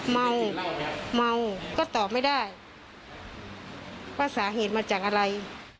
เมาเมาก็ตอบไม่ได้ว่าสาเหตุมาจากอะไร